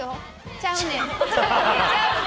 ちゃうねん。